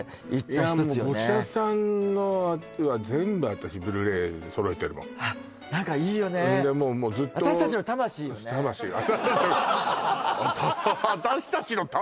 いやもう五社さんのは全部私Ｂｌｕ−ｒａｙそろえてるもんあっ何かいいよねうんでもうもうずっと魂私達の私達の魂